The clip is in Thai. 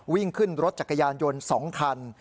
วิ่งขึ้นรถจักรยานยนต์๒คัน